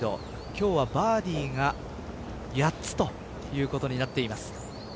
今日はバーディーが８つということになっています。